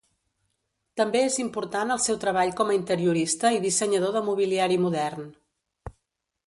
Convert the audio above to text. També és important el seu treball com a interiorista i dissenyador de mobiliari modern.